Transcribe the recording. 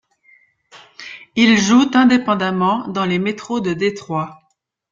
Ils jouent indépendamment dans les métros de Détroit.